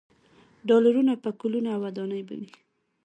ډالرونه، پکولونه او ودانۍ به وي.